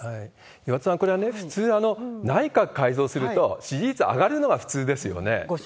岩田さん、これはね、普通、内閣改造すると、支持率上がるのが普通ですよね。